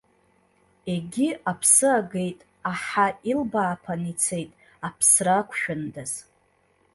Егьи аԥсы агеит, аҳа илбааԥан ицеит, аԥсра ақәшәандаз.